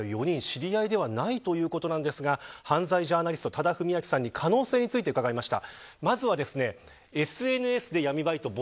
知り合いではないということですが犯罪ジャーナリストの多田文明さんに可能性について伺いました。